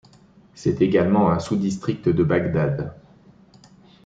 C'est également un sous-district de Bagdad.